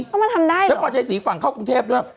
เข้ามาทำได้เหรอแล้วก็ใช้สีฝั่งเข้ากรุงเทพด้วย